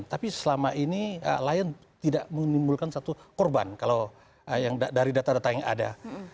tapi selama ini lion tidak menimbulkan satu korban kalau dari data data yang ada